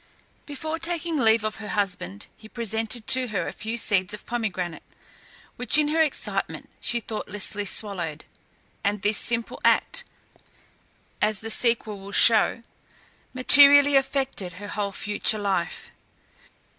Before taking leave of her husband, he presented to her a few seeds of pomegranate, which in her excitement she thoughtlessly swallowed, and this simple act, as the sequel will show, materially affected her whole future life.